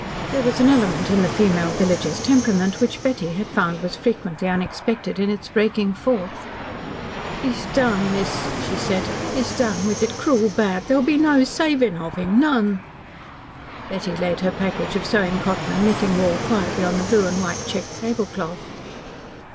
There was an element in the female villagers' temperament which Betty had found was frequently unexpected in its breaking forth. "He's down, miss," she said. "He's down with it crool bad. There'll be no savin' of him none." Betty laid her package of sewing cotton and knitting wool quietly on the blue and white checked tablecloth.